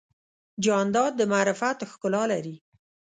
جانداد د معرفت ښکلا لري.